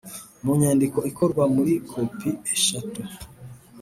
mu nyandiko ikorwa muri kopi eshatu